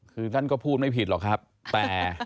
คือท่านก็พูดไม่ผิดหรอกครับแต่